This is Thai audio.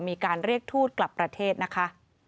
มีการเรียกทูตกลับประเทศนะคะ